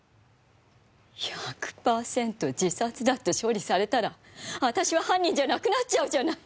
１００パーセント自殺だって処理されたら私は犯人じゃなくなっちゃうじゃない。